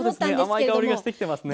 甘い香りがしてきてますね。